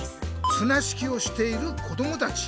つな引きをしているこどもたち。